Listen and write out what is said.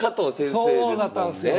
そうだったんですよね。